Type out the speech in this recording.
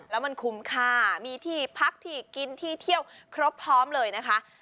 แล้วมันคุ้มค่ามีที่พักที่กินที่เที่ยวครบพร้อมเลยนะคะ